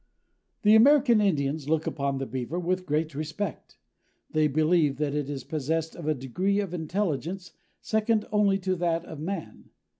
The American Indians look upon the Beaver with great respect. They believe that it is possessed of a degree of intelligence second only to that of man.